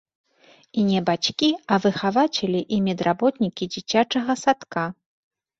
І не бацькі, а выхавацелі і медработнікі дзіцячага садка.